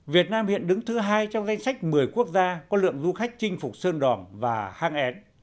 việt nam hiện đứng thứ hai trong danh sách một mươi quốc gia có lượng du khách chinh phục sơn đòn và hang én